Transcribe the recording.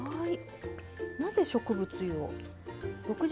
なぜ植物油を？